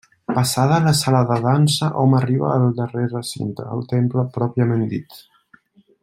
Passada la sala de Dansa, hom arriba al darrer recinte, el temple pròpiament dit.